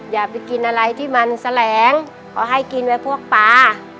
อย่าไปกินอะไรที่มันแสลงเขาให้กินไว้พวกปลา